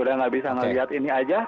udah nggak bisa melihat ini aja